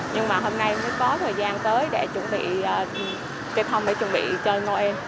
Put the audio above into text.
nhưng mà hôm nay mới có thời gian tới để chuẩn bị cây thông để chuẩn bị chơi noel